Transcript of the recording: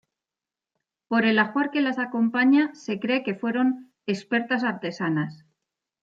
Por el ajuar que las acompaña, se cree que fueron expertas artesanas.